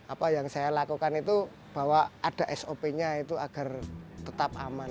apa yang saya lakukan itu bahwa ada sop nya itu agar tetap aman